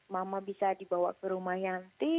mama bisa dibawa ke rumah yanti